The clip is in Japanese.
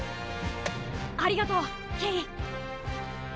ありがとうケイ。